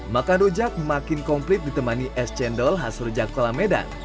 makan rujak makin komplit ditemani es cendol khas ruja kola medan